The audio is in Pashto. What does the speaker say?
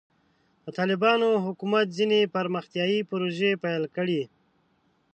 د طالبانو حکومت ځینې پرمختیایي پروژې پیل کړې.